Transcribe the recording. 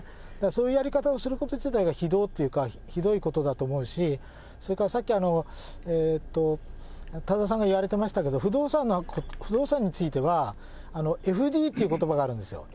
そういうやり方をすること自体が非道というか、ひどいことだと思うし、それからさっき、多田さんが言われてましたけど、不動産についてはＦＤということばがあるんですよ。